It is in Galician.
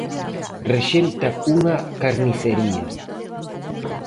Rexenta unha carnicería.